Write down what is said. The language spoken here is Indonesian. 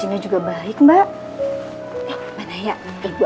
ibu siapin dulu ya